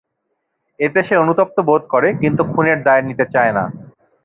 এতে সে অনুতপ্ত বোধ করে কিন্তু খুনের দায় নিতে চায় না।